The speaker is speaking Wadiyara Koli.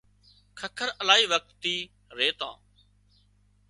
ککر الاهي وکت ٿي ريتان